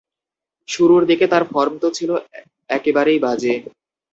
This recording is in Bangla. শুরুর দিকে তার ফর্ম তো ছিল একেবারেই বাজে।